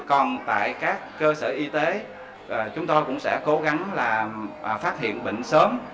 còn tại các cơ sở y tế chúng tôi cũng sẽ cố gắng là phát hiện bệnh sớm